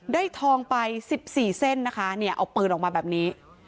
ได้ทองไป๑๔เส้นเอาปืนออกมาแบบนี้